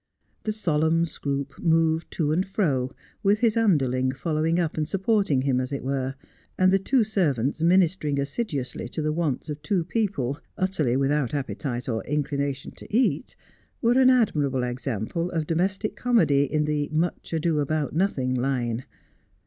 The solemn Scroope moved to and fro, with his underling following up and supporting him, as it were ; and the two servants ministering assiduously to the wants of two people, utterly without appetite or inclination to eat, were an admirable example of domestic Dulcie Asks Questions. 31 comedy in the ' Much Ado about Nothing' line.